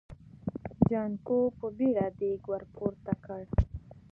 جانکو په بيړه دېګ ور پورته کړ.